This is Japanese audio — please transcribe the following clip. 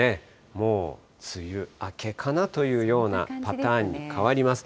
もう梅雨明けかなというようなパターンに変わります。